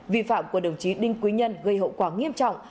vi phạm của đồng chí đinh quy nhân gây hậu quả nghiêm trọng